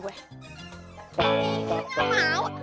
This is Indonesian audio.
gue gak mau